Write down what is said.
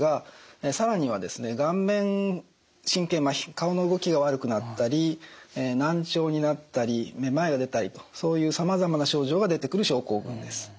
顔の動きが悪くなったり難聴になったりめまいが出たりとそういうさまざまな症状が出てくる症候群です。